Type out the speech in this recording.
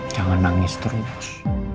jangan nangis terus